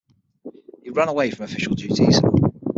He ran away from official duties.